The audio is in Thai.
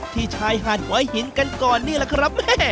ที่ชายหาดหัวหินกันก่อนนี่แหละครับ